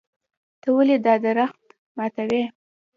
ته ولې دا درخت ماتوې.